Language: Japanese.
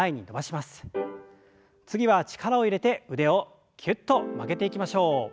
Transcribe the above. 次は力を入れて腕をきゅっと曲げていきましょう。